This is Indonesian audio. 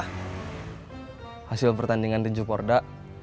hasil pertandingan tinju korda